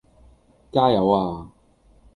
加油呀